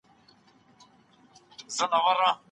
انسانان باید د مرییانو په څېر ژوند ونه کړي.